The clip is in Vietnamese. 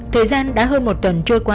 thời gian đã hơn một tuần trôi qua